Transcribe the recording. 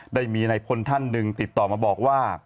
ได้มีในพลท่านหนึ่งติดต่อมาบอกว่า